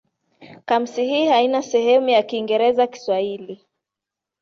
Kamusi hii haina sehemu ya Kiingereza-Kiswahili.